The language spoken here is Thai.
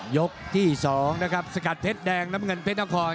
ยกที่๒นะครับสกัดเพชรแดงน้ำเงินเพชรนคร